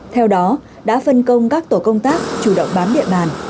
theo đó đã phân công các tổ công tác chủ động bám địa bàn